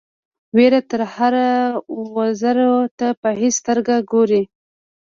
وېره ترهه او زور ته په هیڅ سترګه ګوري.